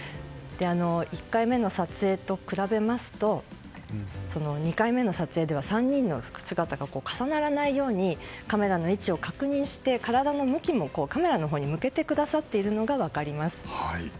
１回目の撮影と比べますと２回目の撮影では３人のお姿が重ならないようにカメラの位置を確認して体の向きもカメラのほうに向けてくださっているのが分かります。